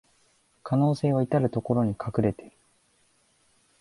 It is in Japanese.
可能性はいたるところに隠れてる